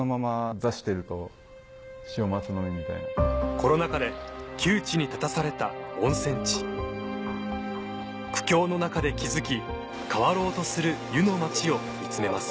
コロナ禍で窮地に立たされた温泉地苦境の中で気付き変わろうとする湯の町を見つめます